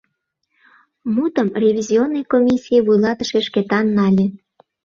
Мутым ревизионный комиссий вуйлатыше Шкетан нале.